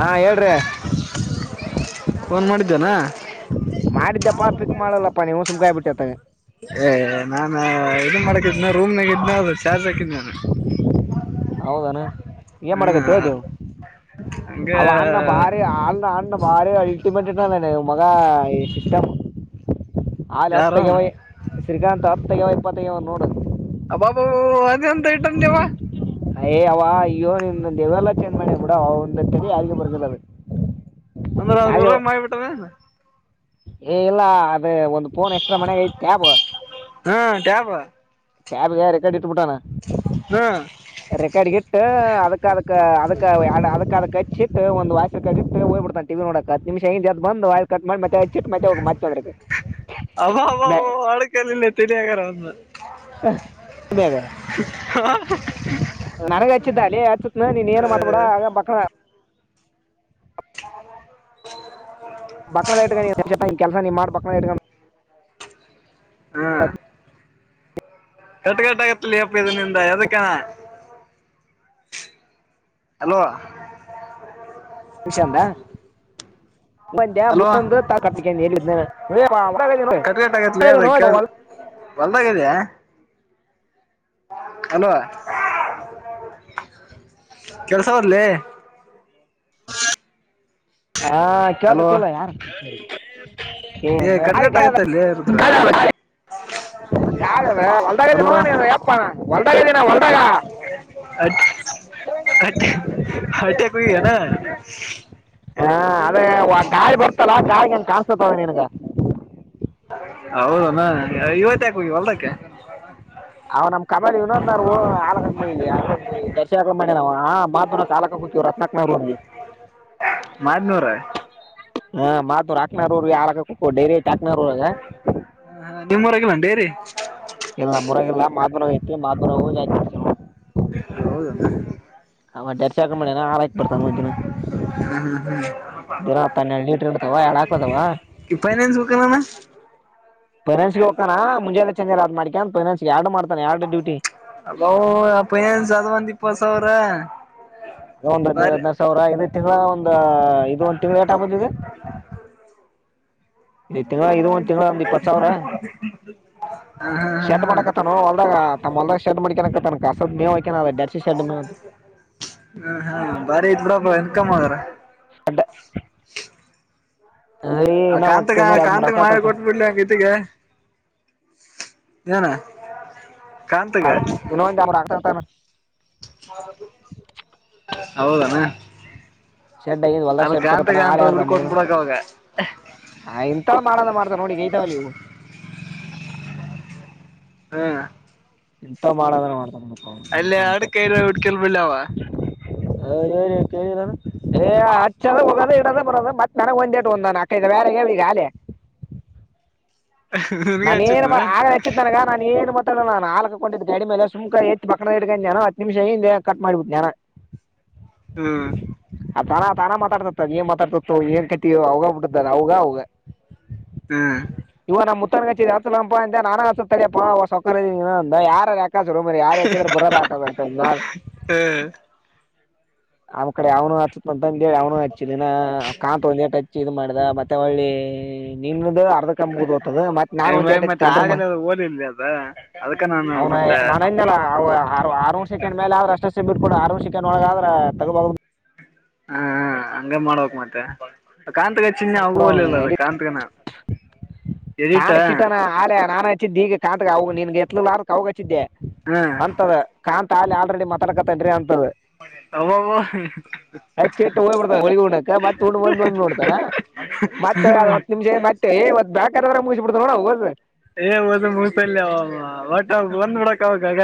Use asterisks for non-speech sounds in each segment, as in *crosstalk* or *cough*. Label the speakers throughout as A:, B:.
A: ಹಾ ಹೇಳ್ರಿ.
B: ಫೋನ್ ಮಾಡಿದ್ದೇನಾ.
A: ಮಾಡಿದ್ದಪ್ಪಾ ಪಿಕ್ ಮಾಡಲ್ಲಪ್ಪಾ, ನಾನು ಸುಮ್ಮನಾಗ್ಬಿಟ್ಟೆ.
B: ಏ ನಾನು ಇದನ್, ಮಾಡಕಿದನ ರೂಮ್ನಾಗಿದ್ನ ಅದು ಚಾರ್ಜ್ ಹಾಕಿದಿ.
A: ಹೌದಣ, ಏನ್ ಮಾಡಕತ್ತ ಹ್ದವು
B: ಹಂಗೆ
A: ಅವ ಅಣ್ಣ ಭಾರಿ ಅ ಅ. ಅವರ ಮಗ ಬಾರಿ ಐಟಿ ಬಿಟಿ ಕಂಪನಿ.
B: ಯಾರು
A: ಶ್ರೀಕಾತ್ ಹಪ್ತೈವ ಇಪ್ಪತ ನೋಡದು.
B: ಅಬ್ಬಾಬ, ಅದ ಹೆಂಗೆ ಆಯ್ತವ್ವಾ
A: ಅಯ್ ಅವಯ್ಯೋ ನಿಮ್್ದೊ, ದವೆಲ್ಲ ಚೇಂಜ್ ಮಾಡೇ ಬಿಡ, ಅವ ಒಂದರಿ ಯಾರಿಗೆ ಬರ್ದಿಲ್ಲ. ಬ
B: ಅಂದ್ರೆ ಅವ್ರೂಊ ಮಾಡಿಬಿಟ್ಟಾನ.
A: ಏ ಇಲ್ಲ ಅದು ಒಂದು್ಫೋನ್ ಎಕ್ಸ್ಟ್ರಾ ಮನೆಾಗ ಐತ್ ಕ್ಯಾಬ್,
B: ಕ್ಯಾಬ್
A: ಕ್ಯಾಬ್ ಗೆ ಒಂದು ಫೋನ್ ಇಟ್ಬಿಟ್ಟವ್ನೆ.
B: ಹೌದಾ
A: ರೆಕಾರ್ಡ್ಗಿಟ್ಟ ಅದಕ್ಕದಕ್ ಅದಕ್ ಅದಕ್ಕದಕ್ ಹಚ್ಚಿಟ್ಟ ಒಂದ ವಯಸ್ಸ ಹಚ್ಚಿಟ್ಟು ಹೋಗ್ಬ ಬಿಡ್ತಾನ ಟಿ ನೋಡಕ್ ಹತ್ ನಿಮಿಷ ಬಿಟ್ಟು, ಬಂದು ಆನ್ ಮಾಡಿ ಮತ್ತೆ ಮತ್ತೆ ಹೋಗ ಬಿಡ್ತಾನೆ.
B: ತಿರುಗಿ ತಿರುಗಿ ಅದೇ ಆಗ್ತಾನೆ.
A: ಆಮೇಲೆ
B: ಹಾ
A: ನನಗ ಹಚ್ಚಿದ್ದ, ಅಲ್ಲಿ ಹಚ್ಚತ್ನ, ನೀನ್ ಏನ್ ಮಾತನಾಡಬೇಡ.
B: ಆ ಆ
A: ಬಕ್ಕನದ, ಇ ಕೆಲಸ ನೀ ಮಾಡು.
B: ಹಾ
A: ಹತ್ತು
B: ಕಟ್ಗಟ್, ಆಗತ್ತಲಿ ಅಪ್ಪ ಇದನಿಂದ ಅಣ್ಣ. ಹಲೋ
A: ನಿಷ ಅಂದ. ಒಂದ
B: ಅಲ್ವಾ
A: ಮುತ್ತಂದು
B: ಹೊಲ್ದಾಗ ಇದ್ಯಾ. ಹಲೋ, ಕೆಳ್ಸವರ್ಲಿ
A: ಹಾ
B: ಅಲ್ವಾ
A: ಹೇಳ್ತಿಲ್ಲ, ಯಾರ ಇಲ್ಲಿ ಸೌಂಡ್
B: ಏ ಕಟ್ಕಟ್
A: ಡಿಸ್ಟರ್ಬೆನ್ಸ್.
B: ಆಗತ್ತಲ್ಲಿ ರುದ್ರ ಹಲೋ, ಏನ್
A: ಹೊಲ್ದಾಗ
B: ಮಾಡ್ತಿದ್ದೆ.
A: ಹಾ ಅದೇ ಕಾಯಿ ಬರ್ತಲ್ಲ, ಆ ಕಾಯಿಿಗೆನ್ ಕಾಣ್ಸತದ ನಿನ್ಗ.
B: ಹೌದಣ, ಇವತ್ತ ಯಾಕ, ಹೋಗಿ ಹೊಲ್ದಕ್ಕೆ.
A: ಅವ, ನಮ್ ಕಮಾಿ ಇವ ನ, ಆದರ್ಶಿಕ ಮಾಡಿ ನವು ಕುತೀವ ರಸ. ಹ
B: ಮದನೂರ.
A: ಹಾ ಮಾತ್ರೂರು ಹಾಕ್ನಾರೀ ಯರ ಕು ಡೈರಿಯಟ್ ಹಾಕ್ನಾರಗ
B: ನಿಮ್ಮ್ೂರಗ ಡೈರಿ
A: ಇಲ್ಲ ಮುರಗಿಲ್ಲ ಮಾದ ನೋ ಐತಿ ಮಾದು ನೋವು ಜಾತಿ
B: ಹೌದಮ್ಮ
A: ಹ ಡರ್ಚಾಕ ಮಾಡ ಆಯ್ತಡ್ತಾ ಹ್ತ
B: ಹ್ಮ್ ಹ್ಮ್ ಹ್ಮ್
A: ಇರ ಹತ್ತ ಹನ್ನೆಡು ಲೀಟ್ರ ಇಡ್ತಾವ ಎಳ್ ಹಾಕದಾವ
B: ಫೈನಾನ್ಸ್ ಬೇಕನನ
A: ಪೇರೆಂಟ್ಸ್ಗೆ ಹೋಗೋಣ ಮುಂೆ ಚಜ ಅ್ ಮಾಡಿಕೊಂಡ ಪರೆಟ್ಸ್ ಆಡ್ ಮಾಡ್ಾನೆ ಆಡ್
B: ಅಬ ಅಪ್ಪನನ್ ಸದವಂದ ಇಪ್ಪ ಸಾವಿರ
A: ಒಂದ ಹದ್ೈದು
B: ಬಾರಿ
A: ಹದಿನೈದು ಸಾವಿರಐದು ತಿಂ್ಳ ಒಂದ್ ಇದು ಒಂದ್ ತಿಂಗಳುಳ ಏಟ ಆ ಬದಿದೆ ಇ ತಿಂಗಳ ಇ ಒಂದ ತಿಂಗಳ ಒಂದ್ ಇಪ್ಪತ್ ಸಾವಿರ
B: ಹ ಹಾ
A: ಶರ್ಟ್
B: ಹಾ
A: ಮಾಡಕತ್ತ
B: ಹಾ
A: ದ ತಮ್ಮೊ ಶೇರ್ ಮಾಡಿ ಕನ ತನ ಅಸಿ
B: ಹ ಹಾ ಬಾರಿ ಇದ್ರಪ್ಪ ಇನ್ಕಮ್ ಆದದಾರ
A: ಶೆಡ್ ಏ ಇನ್ನ
B: ಕಾಂತಕ
A: ಮತ್ತ ಇನ್ನೂ ಎರಡ್ ಮೂರ್
B: ಕಾಂತಕ್ ಮಾ
A: ಹಾಕತಾನ
B: ಕೊಟ್ ಬಿಿಡ್ಲಿ ಹಂಗತಿಗೆ ಬಣ
A: ಹ ಇೊಂದು ಆತ
B: ಹೌದಣ
A: ಶೆಡ್ ಆಗಿದ್ ಹೊಲ್ದಾಗ
B: ಅದ ಕಾಂತ ಕಾಂತ ಬಿಡ್ಕೊತ್ ಬಿಡಕ ಅವಾಗ
A: ಹ ಇಥಲ್ಲ ಮಾಡಂದ ಮಾಡ್ತಾವ ನೋಡಿ ಗೈತಾವ ಇವು
B: ಹ್ಮ್
A: ಎಂತ ಮಾಡದ್ರೆ ಮಾಡ್ತ
B: ಅಲ್ಲೇ ಆಡ ಕೈರ ಹಡ್ಕಲ್ ಬಿಳಾವ
A: ಅ ಕೇಳಾನ ಹೋಗದ ಇಡದ ಬರದ ಮತ್ತತ್ ನನಗ್ ಒಂದೇ ಒಂದಾನ ೇ ಯಿಗಾಲಿ
B: ನನ್ಗೆ
A: ನಾನ ಏನ್
B: ಹಚ್ಚಿದ್ನನ
A: ಆಗ ಚ್ಚ ನನ ನಾನು ಏ ಮಾತ್ರ ನಾ ಹಾಲ್ಕೊಂಡಿದ್ದೆ ಅಡಿ ಮೇಲೆ ಸುಕ ಹೆಚ್ಚು ಬಕ್ದ ಹಿಡ್ ನಾನು ಹತ್ತು ನಿಮಿಷ ಹಿಂದೆ ಕಟ್ ಮಾಡಿು ಯಾರ
B: ಹ್ಮ್
A: ಆ ತಾನ ತಾನ ಮಾತಾಡ್ತತ್ತದ ನೀನ್ ಮಾತಾಡ್ತತ್ತು ಏನ್ ಕಟ್ಟೀ ಅವಾಗ ಬಿಟ್ಟದ ಅವಗ ಅವಗ
B: ಹ್ಮ್
A: ಇವ ನಮ್ಮ್ುತ್ತನ್ಗಚ್ಚರಿ ಹತಲಪಾ ಅಂತ ನಾನ ಹತತಡಿಯಪ್ಪಾ ಸೌ ಯಾರ ಯ ಯ ಹೆಚ್ಚಂದ್ರ ಬರದ ಆಟ ಆತ
B: ಹ್ಮ್
A: ಆಮ್ಮ್ ಕಡೆ ಅವನು ಹತತ್ ಅಂತ ಅವ್ನು ಹಚ್ಚಿಲ್ಲ ಕಾಂತ ಒ ಇ ಮಾಡ್ದ ಮತ್ತೆ ಒಳ್ಳಿ ನಿಮ್ದ ಅರ್ಧ ದ ಮ ನ
B: ಹ ಮತ್ತೆ
A: ಒಂದ
B: ಆಗಲ್ಲ ಓದಿಲ್ರಿ ಅದ ಅದಕ್ಕ ನಾನು ಮತ್ತೆ
A: ನಂದಲ್ಲ ಆರು ಆರು ಒಂದು ಸೆಕಂಡ್ ಮೇಲೆ ಆದ್ರ ಅಷ್ಟೇ ಬಿಟ್ಕೊಂಡು ಆರಂದು ಸೆಕಂಡ್ ಒಳಗ ಆದ್ರ ತಗಬ
B: ಹಾ ಹಂಗ ಮಾಡ್ಬೇಕಕ್ ಮತ್ತೆ ಕಾಂತಕ ಚಿನ್ನ
A: ಬಿಡು ಅವನು
B: ಹಗೂಲಿಲ್ಲ
A: ಎಡಿಟ್
B: ಕಾಂತಕನ ಎಡಿಟ
A: ನಾಳೆ ನಾನನ್ ಹಚ್ಚಿದ್ದೆ ಈಗ ಕಾಂತಗ ಅವ ನಿನ್ಗೆ ಎತ್ಲುಾರಕ್ ಅವಾಗ ಹಚ್ಚಿದ್ದೆ
B: ಹಾ
A: ಅಂತದ ಕಾಂತ ಅಿ ಆಲ್ರೆಡಿ ಮಾತಾಡ್ಕತನ್ರಿ ಅಂತ
B: ಅವಬ
A: ಆಯತ್ ಚಟ್ಟ ಹೋಗ್ಬಡ್ತಾನ ಹೊಳಿ ಹುಣಕ ಮತ್ತೆ ಹುಣ ಬಂದ ಬಂದು ನೋಡ್ತಾನ ಮತ್ತೆ ಹತ್ತು ನಿಮಿಷ ಮತ್ತೇವ್ ಬೇಕಾರಾದ್ರೆ ಮುಗಿಸಿಬ ಬಿಡ್್ ನೋಡ ಹೋದ
B: ಏ ಓದ ಮುಗಪಲ್ಯ ಬಟ್ ಅವ ಬಂದ್ ಬಿಡಕ್ ಆಕ್ಾಗ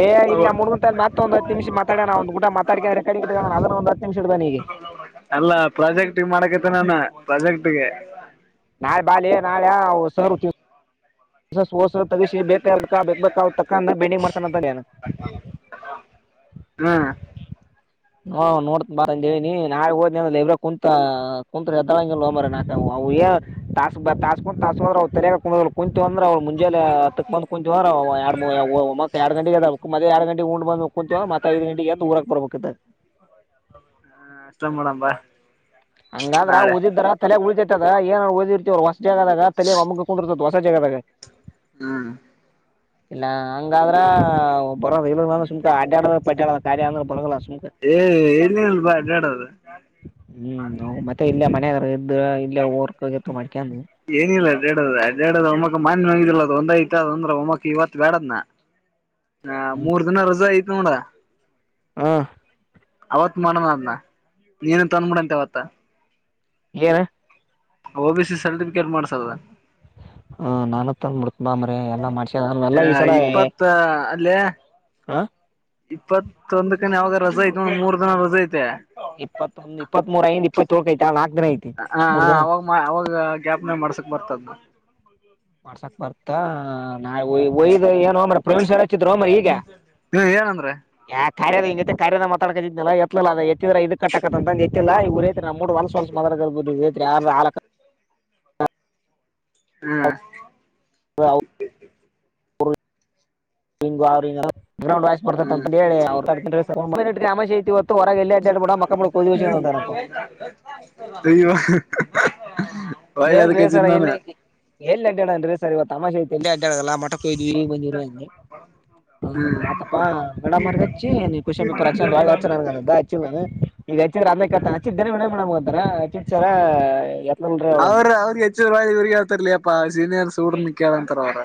A: ಏ ಇಲ್ಲ ಮುಗಂತ ಮತ್ತೊಂದು ಹ ನಿಮಿಷ ಮಾತಾಡೋ ಒ್ ಊಟ ಮಾತಾಡ್ರ ಕಡೆ ಅದ್ರ ಒಂದು ಹತ್ತು ನಿಮಷ ಇಡ್ದಾನ ಈಗ
B: ಅಲ್ಲ ಪ್ರಾಜೆಕ್ಟ್ ಮಾಡಕತೆ ನಾನ ಪ್ರಾಜೆಕ್ಟ್ಗೆ
A: ನಾಳೆ ಬಾಿ ನಾಳೆ ಸ ಸೋರ್ಸ ತಗಸಿ ಬೇಕಬೇಕಾ ಬೇಕ ಬೇಕ ತಕ್ಕ ಅ ಬೆಂಡಿಂಗ ಮಾಡ್ಸ ಅಂತಏನು
B: ಹ್ಮ
A: ನಾ ನೋಡ್ತ ಬಾರ ಹೇಳಿ ನಾಗ್ ಹೋದ್ ಇವ್ರ ಕುಂತ ಕುಂತ ಎದ್ದಳಂಗ ಹೋಗಂಬರ ನಾಕ ಅವುಏ ತಾಸಸ್ ಬ ತಾಸ್ಕೊಂಡು ತಾಸ್ಕಂದ್ರ ಅವ್ ತರಗ ಕ ಕು ಕುಂತು ಅ್ರ ಅವ್ಳ ಮುೆ ಜ ಅತ್ತಕ್ಕ ಬಂದು ವರ ಎರ ಗಂಟೆಗೆದ ಮದೆ ಎರ ಗಂಟೆಗೆ ಉಂಡು ಬಂದು ಕುಂತವ ಮತ್ತ ಐದು ಗಂಟ ಎಂತ ಊರಾ ಬರ್ಬೇಕೆ
B: ಹ ಇಷ್ಟ ಮಾಡೇಡಂಬಾ
A: ಹಂಗಾದ್ರ ಓದಿದ್ರ ತಲೆ ಉಳಿತೈತದ ಏನ ಓದಿರ್ತಿವ್ ಜದಾಗ ತಲೆ ಒಮ್ಮಗಕೊಂಡಿರ್ತದದು ಹೊಸ ಜಾಗದಾಗ
B: ಹ್ಮ್
A: ಇಲ್ಲ ಹಂಗಾದ್ರ ಬರದ ಇ ಸು್ಕ ಅಡ್ಡ್ಯಾಡ ಪಟ್ಟ್ಯಾಡ ಕ್ಯ ಅಂದ್ರ ಬರಲ್ಲ ಸುಮಕ
B: ಏ ಇಲ್ಲಿಲ್ ಬ ಅಡಾಡದು
A: ಹ್ಮ್ ನ ಮತ್ತೆ ಇಲ್ಲ ಮನ ಇದ ಇಲ್ಲ ಊರ್ಕ ಇರ್ಕ ಮಾಡ್ಕ
B: ಏನಿಲ್ಲೇಡಡದ ಒಮ್ಮಕ್ ಮಾನ್ ಮುಗಿದಿಲ್ಲ ಅದು ಒಂದ ಐತ ಅದ ಅಂದ್ರೆ ಒಮ್ಮಕ್ ಇವತ್ ಬೇಡದ್ನ ಹ ಮೂರ್ ದಿನ ರಜಾ ಆಯ್ತ ನೋಡ
A: ಹಾ
B: ಅವತ್ ಮಾಡೋಣ ಅದ್ನ ನೀನನ್ ತಂದ್ಬಿಡಂತೆ ಅವವತ್ತ
A: ಏನು
B: ಓಬ ಸಿ ಸರ್ಟಿಫಿಕೇಟ್ ಮಾಡ್ಸದ
A: ಹ ನಾನು ತಂದ ಮುಡ್ಕ್ ಬ ಅಂಬ್ರೆ ಎಲ್ಲಾ ಮಾಡ್ಸ ನ ಎಲ್ಲ ಈ ಸಲ
B: ಇಪ್ಪತ್ತ ಅಲ್ಲೇ
A: ಹಾ
B: ಇಪ್ಪತ್ತೊಂದಕನ ಯಾವಾಗ ರಜ ಐತೆ ಒಂದ ಮೂರ್ ದಿನ ರಜ ಐತೆ
A: ಇಪ್ಪತ್ತೊಂದು ಇಪ್ಪತ್ರ ಐ್ ಇಪ್ಪತ್ತೋಳಕೈಐ ನಲ್ಕ ದಿನ ಐತೆ
B: ಹ ಹ ಅವಾಗ ಅವಾಗ ಜ್ಯಾಪ್ನೆ ಮಾಡ್ಸಕ್ ಬರ್ತದ
A: ಮಾಡ್ಸಾಕ್ ಬರ್ತಾ ನಾ ಒಯ್ದ್ ಏನ್ ಮ್ರ ಪ್ರವೀಣ್ ಸ ಕಧ್ರೋ ಮರಿಗ
B: ಹ್ಮ ಏನಂದ್ರೆ
A: ಯಾ ಕಾರ್ಯದ ಇ ಕಾರ್ಯದ ಮ ಮಾತಾಕದಿದನಲ್ಲ ಎತ್ತಲಲ್ಲ ಅ ಎತ್ತಿದ್ರ ಇದು ಕಟ್ಟಕತ್ತ ಅಂತ ಎತ್ತಿಲ್ಲ ಇವ್ರೆ ನ ಮೂ ಹೊಲಸಲ್ಸ ಮಾ ಯಾರ ಆ
B: ಹಾ
A: ಹ ಗ್ರೌಂಡ್ ವಸ್
B: ಹ್ಮ್
A: ರ್ತಮೇತಿ ಹೊತ್ತು ಹೊರಗೆ ಎ ಅಡ್್ಯಾಡ್ಡ ಮಕ್ಕಳ ಕಂತಾರಾ
B: ಅಯ್ಯ ಒಳ್ಳದಕ್ಕೆ
A: ಏಲ್ರೀ
B: ಚ
A: ಸರ್
B: ನಾನ
A: ಎಲ್ಲಿ ಎಲ್ಲಿ ಅಡ್ಡೋಣನ್ರಿ ಸರಿ ಇವ ತಮಾಶೆ ಇ ಎಲ್ಲಿ ಅಡದಲ್ಲ ಮಠಕ್ಕೆ ಕೊಯ್ವಿ ಬಂದಿಿ
B: ಹೌ
A: ಹ ಆತಪಾ ಮಡ ಮರ್ಗಚ್ಚಿ ನೀ ಖುಷಪ ರಕ್ಷಾಳ ನನ್ಚ್ಚಿಲ್ಲ ನಾನು ಈಗಚ್ಚ
B: ಹ್ಮ್
A: ಅದತಚ್ಚಿದ ಮೇಡಮ್ಿಾರ ಎ ಅವಳ
B: ಅವ ಅವ್ರ ಿ ಇವರಿಗೆಿಗೆ ಹೇಳ್ತರ್ಲ ಅಪ್ಪಾ ಸೀನಿಯರ್ ಸೂಡ್ರನ್ ಕೇಳಂತಾರ ಅವರು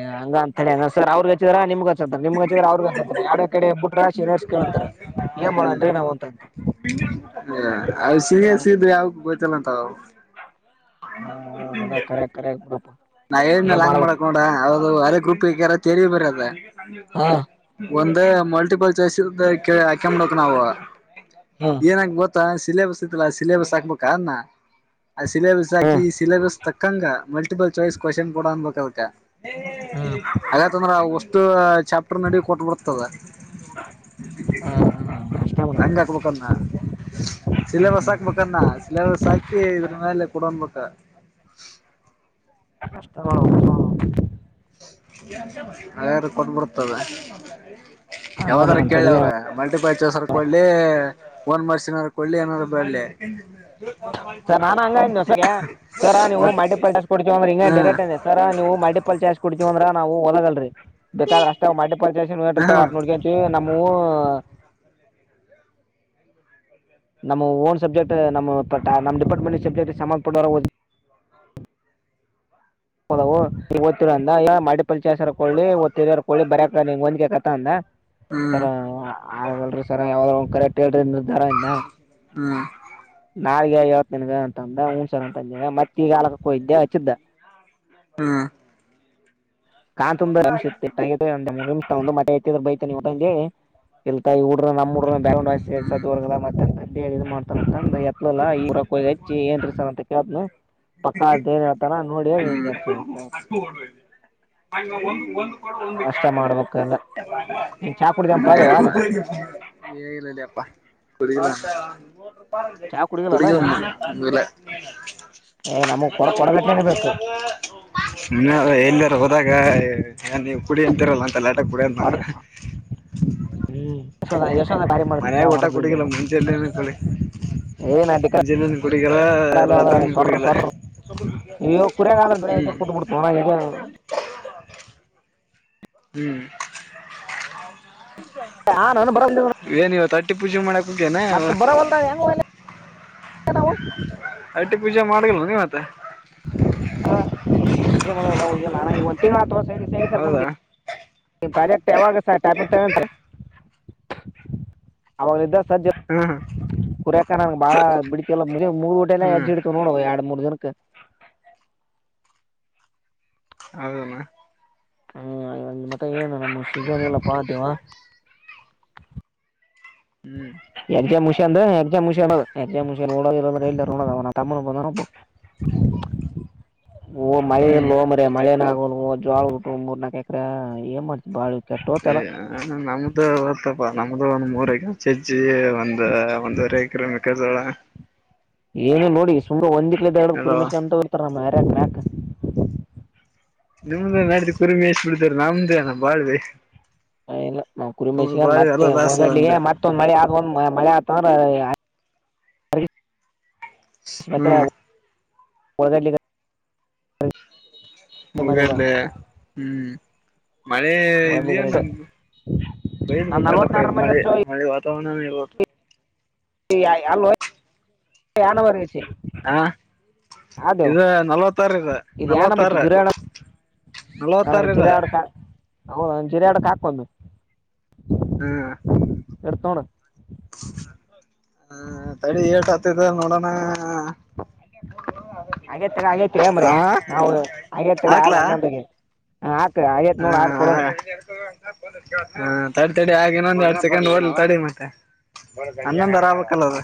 A: ಯ ಹಂಗ ಅಂತ ಹೇಳಿರ್ ಅವ್ರಗ್ ಹಚ್ಚಿದರ ನಿಮ್ಗ ನಿಮ್ ಹ ಅವ್ರಗ ಅಂತಾರೆ ಯರಡ ಕಡೆ ಬಿಟ್ಟ್ರಾಿಏನಸ್ಕ ಕಂತಾರೆ ಏ ಮಾಡ ಅಂದ್ರೆ ನಾ್ ಅಂತ
B: ಹ ಸ
A: ಹಂಗ
B: ಸಿದ್ರೆ ಯಾವ ಗತಲ್ಲ ಅಂತ
A: ಅದ ಕರೆ ಕರೆ ಬಿಡಪ್ಪ
B: ನಾ
A: ಏನ್
B: ಹೇಳ್ಮೇಲೆ ಹಂಗ್
A: ಮಾಡ್ಬೇಕು
B: ಮಾಡಕ್ ಹೌದು ಅರೆ ಗಪಲ್ಲ ತೆರಿ ಬರದ
A: ಹಾ
B: ಒಂದ ಮಲ್ಟಿಪಲ್ ಚಸ ಹಾಕಂಬಡಕ್ ನವು
A: ಹಾಂ
B: ಗೊತ್ತಾ ಸಿಲೆಬಸ್ ಇತ್ತಲ್ಲ ಸಿಲೆೇಬಸ್ ಹಾಕ್ಬೇಕ ಅನ್ನ ಆ ಸಿಲೆಬಸ್ ಹಾಕಿ
A: ಹ್ಮ್
B: ಸಿಲೆಬಸ್ ತಕ್ಕಂಗ ಮಲ್ಟಿಪಲ್ ಚಾಯ್ಸ್ ಕ್ವಶನ್ ಕೂಡ ಅನ್ಬೇಕದಕ
A: ಹ್ಮ್
B: ಹಾಗಂದ್ರ ಹ ಚಾಪ್ಟರ್ ನಡ ಕೊಟ್ಟುಬಿಡ್ತದೆ
A: ಹ್ಮ್ ಹ್ಮ್ ಅಷ್ಟೇ ಮಾಡೋದು
B: ಹಂಗ ಕುಡ್ಕಣ ಸಿಲೆಬಸ್ ಹಾಕ್ಬೇಕನ್ನ ಸಿಲೆಬಸ್ ಹಾಕಿ ಇದ್ರ ಮೇಲೆ ಕುಡನ್ಬೇಕ
A: ಕಷ್ಟ
B: ಅರು ಕೊಟ್ಬರ್ತದೆ
A: ಹಂಗ
B: ಯಾವ್ದಾರ
A: ಮಾಡೋಣ ತಡಿ
B: ಕೇಳವ್ರೆ ಮಲ್ಟಿ ಪರ್ಚಸ್ರ್ ಕೊಡ್ಲಿ ಓನ್ ಮರ್ಸಿನ್ರ ಕೊಡ್ಲಿ ಏನಾರ ಬಡ್ಲಿ
A: ಸರ್ ನಾನ್ ಹಂಗ ಸರ ನೀವು
B: ಮತ್
A: ಮಲ್ಟಿಪಲ್ ಚಾರ್ಸ್ ಕೊಡ್ತೀವಿ ಅಂದ್ರೆ ಹಿಂಗ
B: ಹಾ
A: ಡೈರೆಕ್ಟ್ ಅದೆ ಸರ ನೀವು ಮಲ್ಟಿಪಲ್ ಚಾರ್ಜ ಕುಡ್ತಿವ ಅಂದ್ರ ನಾವು ಒಲಗಲ್ರಿ ಬೇಕಾದ್ರ ಅಷ್ಟ್ ಮಾಡೆ
B: ಹಾ
A: ಪಚರ್ತ ನೋಡ್ ನಮ್ಮೂ ನಮ್ಮ್ ಓನ್ ಸಬ್ಜೆಕ್ಟ್ ನಮ್ಮ ನಮ್ಮ ಡಿಪಾರ್ಟ್ಮೆಂಟ್ ಸಬ್ಜೆಕ್ಟ್ ಸಂಬಂಧಪಟ್ಟ ವುರ್ ಅಂದ ಯ ಮಾಡ ಚಸರ್ ಕೊಳ್ಳಿ ಒ ತಿರಿರ್ ಕ ಕೊಿ ಬರಕ ನಿ ಒಂದ ಕತ ಅಂದ
B: ಹ್ಮ್
A: ಸರ್ ಆಲ್ರಿ ಸರ ಯಾವ್ದ ಒ ಕರೆಕ್ಟ್ ಹೇಳ್ರರಿ ನಿಧರಿಂದ
B: ಹ್ಮ್
A: ನಾಗೆ ವತ್ ನನ್ಗ ಅಂತ ಅಂದ ಹುನ್ಸಾರ್ ಅಂತ ಅ ಮತ್ತ ಈಗಾಲಕ್ಕ ಹೋಯ್ದೆ ಹಚ್ಚಿದ್ದ
B: ಹ್ಮ
A: ಕಾ ತುಂಬಾ ನಿಮ್ಷ ಒಂದು ಮಟೆ ಎತ್ತಿದ್ರ ಬೈತಾನ ಊಂದಿ ಇಲ್ತ ಹಊಡ್ರ ನಮ್ಮಡ ಬ
B: ಹ್ಮ್
A: ಸ ಮತ್ತೆತ ಇಲ್ಲ ಈರ ಹೆಚ್ಚಿ ಏನ್ಸ ಅಂತ ಕೇಳಿದ್ನು ಪಕ್ಕ ಅ ಏನ್ ಹೇಳ್ತಾನ ನೋಡನ್
B: ಇದೆ ಒಂದು ಒಂದು ಒಂದು
A: ಅಷ್ಟೇ ಮಾಡ್ಬೇಕಲ್ಲ ನೀನ್ ಚಾ ಕುಡ್ದನ್ ಪಾಳೆ ವಾಲೆ
B: ಏಲ್ಲ ಅಪ್ಪ ಕುಡ
A: ಚಾ ಕುಡಿದಿಲ್ಲಲ್ಲ
B: ಕುಡಗ
A: ನೀನ್
B: ಬಂದ
A: ಏ ನಮಗ್ ಕೊಡ ಕೊಡಗಟ್ಲೆನೆ ಬೇಕು
B: ಅ ಹ ಎಲ್ಲಾರ ಹೋದಾಗವು ಕುಡಿ ಅಂತರಲ್ಲ ಅಂತಲ್ಲ ಕೂಡಂತಾನ
A: ಹೊಡ್ ಹ್ಮ್ ಯ ಯಶ ಭಾರಿ ಮಾಡಾವ
B: ಊಟ
A: ಹೊದಿ
B: ಕುಡಿಗಿಲ್ಲ ಮುಂಜೆಲ್ಲೆನ ಕುಡಿ
A: ಏ ನಟ
B: ಮುಂಜೆಲ್ಲೆನ ಕುಡಿಗಲ್ಲ ರಾತ್ರಿನು ಕುಡಿಗಲ್ಲ
A: ಸ ಈ
B: ಹ್ಮ್
A: ಕುರಿಯಾಗ್ರಟ್ಟ ಬಿಡ್ತವಣ
B: ಹ್ಮ್
A: ಹ ನಾನ ಬರ
B: ಏನ್ ಇವ ತಟ್ಟಿ ಪೂ ಮಾಡಕ
A: ಮತ್ತತ್ ಬರವಲ್ದ ಹೆಂಗ
B: ಐಟ್ಟಿ ಪೂಜೆ ಮಾಡಗಲ್ವ ನೀವತ್ತೆ
A: ಹೆ ಮಾಡಲ್ಲ ಹೋಗಲ್ಲ ನಾ ಈ ಒಂದ ತಿ ಆ ತ ಸೇರಿ
B: ಹೌದಾ
A: ಸರ್ಕೊಂಡಂಬಿ ನಿ ಪ್ರಾಜೆಕ್ಟ್ ಯಾವಾಗ ಸರ್ ಟೈಪತನಂತೆ ಅವಾಗ ಇದ್ದ ಸಜ್ಜ
B: ಹ್ಮ್
A: ಕುರ್ಯಕ ನಂಗ ಬಾಳ ಬಿಡ್ತಿಲ್ಲ ಮು ಮುಗ ಊಟೆ ಎಲ್ಲಾ
B: ಹ್ಮ್
A: ಹೆಜ್ಜಿ ಇಡ್ತವಿ ನೋಡುವ ಎರಡ್ ಮೂರ್ ಜನಕ್ಕೆ
B: ಹೌದಣ
A: ಹ್ಮ್ ಮತ್ತೆ ಏನು ನಮ್ಮ ಶೀಗನ್ ಹೇಳಲ್ಲಪ್ಪಾ ಅೇವಾ
B: ಹ್ಮ್
A: ಎರ್ಚಾ ಮುಷಿಯ ಅ್ರ ಎಾ ಮುಷ ಮು ತಮ್ಮ
B: *inaudible*
A: ಹೂ ಮಳೆ
B: ಹ್ಮ್
A: ಹೋ ಮ್ರ ಮಳೆನವು ಜೋಳ ಬಿಟ್ಟು ಮೂರ್ ನಾಕಕ್ ಎಕ್ರ ಏ ಮಾಡ್ತತಿ ಬಾಳ
B: ಹ ಹ ನಮ್ದು ಇತ್ತಪ್ಪ ನಮ್ದು ಒಂದ್ ಮೂರು ಎಕರೆ ಚಜ್ಜಿ ಒಂದು ಒಂದವರೆ ಎಕರೆ ಮೆಕ್ಕಜೋಳ
A: ಏನು ನೋಡಿ ಸು ಒಂದಿಕ್ಲ ಎರಡು
B: ಎಲ್ಲವ
A: ಕುರಿಮೆಷಿ ಅಂತ ಇರ್ತಾರ ನಮ್ಮ ಯಾರ್ಯ ಮ್ಯಾಕ್
B: ನಿಮ್ದ ನಡಿದ ಕುರಿಮೇಶ್ ಬಿಡತಾರೆ ನಮ್ದೇ ನ ಬಾಳ್ವ
A: ನ್ ಕುರುಮೇಶಗ
B: ಎಲ್ಲ
A: ಮತ್ತೆ
B: ಲಾಸ್
A: ಹೊಳಗಡ್ಿಗೆ
B: ಅಂದೆ
A: ಮತ್ತೆ ಮತ್ತೊಂದ್ ಮಳೆ ಆಗ ಒಂದ್ ಮಳೆ ಆಗ್ತಂದ್ರ ಮತ್ತೆ
B: ಹ್ಮ್
A: ಒಳಗ ಮಾಡಿ ಬಿಡೋಣ
B: ಮುಳಗದ್ದೇ ಹ್ಮ್ ಮಳೆ ಇದ್ಯ ನ
A: ನಾನು
B: ಬಯಲ್ ಬ ಕಾಟಪ್ಪ ಇ
A: ನಲ್ವತ್ತಾರು ಮರಿ
B: ಮಳೆ
A: ಹಚ್ಚು
B: ಮಳೆ ತಾವನಾನೇವ
A: ಅಲ್ ಯನ ಬಗಚ
B: ಹ ಇದು ನಲ್ವತ್ತಾರ ಇ
A: ಇದು ಯಾ ನಂಬರ್
B: ನಲ್ವತ್ತಾರ
A: ಐತಿ ಜುರಿಯಾಡ
B: ನಲ್ವತ್ತಾರ
A: ಅಂದ್ರೆ
B: ಇದ
A: ಜಿರೆ ಹಾಡ್ಕ್ ಹದ ಜಿರಾಡ್ಕ್ ಹಾಕಬೇಕ
B: ಹ್ಮ
A: ಇರ್ತೋೊಂಡ
B: ಹ್ಮ ತಡಿ ಏಟ್ ಆತಿದೆ ನೋಡೋಣ
A: ಹಾಗೇ ತಗ ಹಾಗಗೇತಿ
B: ಹ
A: ಮ್ರೆ ನಾವು ಹಾಗೇ ತಗ ಅಲ್ಲ
B: ಹಾಕ್ಲಾ
A: ಅನ್ನಯೊಗೆ ಹ ಹಾಕ ಆತ್ ನೋ ಹಡ್ಕೊಡ
B: *unintelligible* ಹಾ ತಡೆ ತಡಿ ಆಗೆನೊಂದ್ ಎರಡ್ ಸೆಕೆಂಡ್ ಓಡ್ಲಿ ತಡಿ ಮತ್ತೆ ಹನ್ನೊಂದಾರ ಆಲ್ಲದ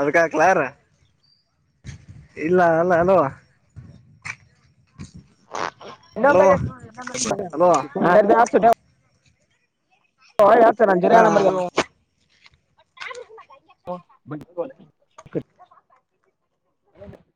B: ಅದಕ್ಕೆಕ್ಲ ಯಾರ ಇಲ್ಲ ಅಲ್ಲ ಅಲ್ವಾ ಹ
A: ಇನ್ನ
B: ಹಲೋ
A: ಆ ಆ ಚ ಹ ಯಾತ ನಂಜರಿಣ
B: ಹಾ
A: ಹ ಬ ಹ